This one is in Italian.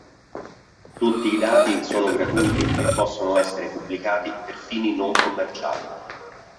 Tutti i dati sono gratuiti e possono essere pubblicati per fini non commerciali.